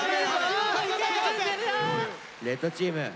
レッドチーム０点。